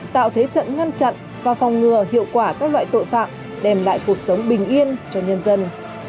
tạo thế trận ngăn chặn và phòng ngừa hiệu quả các loại tội phạm đem lại cuộc sống bình yên cho nhân dân